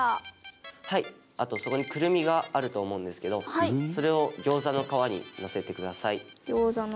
あとそこにくるみがあると思うんですけどそれを餃子の皮にのせてください。